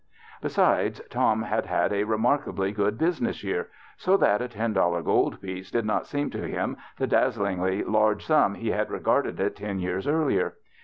Besides, Tom had had a remarkably good business year, so that a ten dollar gold piece did not seem to him the dazzlingly large sum he had regarded it ten years earlier.